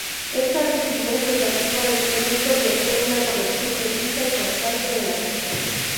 Esta rigidez relativa les permite ofrecer una corrección precisa y constante de la vista.